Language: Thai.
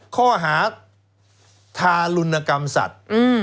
ข้อหาทารุณกรรมสัตว์